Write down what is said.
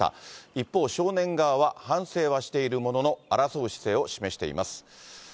一方、少年側は反省はしているものの、争う姿勢を示しています。